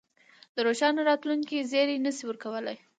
د روښانه راتلونکې زېری نه شي ورکولای.